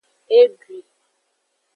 E dwui.